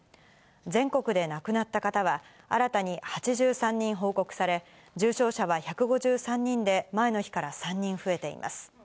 全国で亡くなった方は、新たに８３人報告され、重症者は１５３人で、前の日から３人増えています。